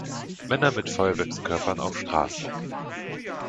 Männer mit Feuerwerkskörpern auf Straße.